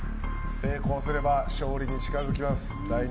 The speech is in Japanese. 成功すれば勝利に近づきます。